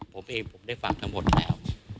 ผมเองผมได้ฟังทั้งหมดแล้ว